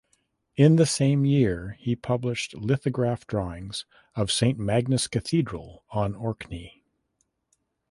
In the same year he published lithograph drawings of St Magnus Cathedral on Orkney.